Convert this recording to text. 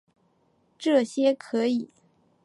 这些可以被认为是早期的宇宙论。